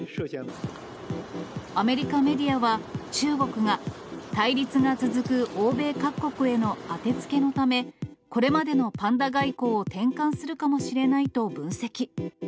アメリカメディアは、中国が対立が続く欧米各国への当てつけのため、これまでのパンダ外交を転換するかもしれないと分析。